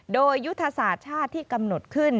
โดยยุทธศาสตร์ชาติที่กำหนดขึ้น